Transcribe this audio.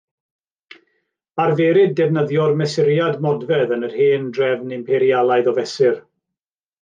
Arferid defnyddio'r mesuriad modfedd yn yr hen drefn Imperialaidd o fesur.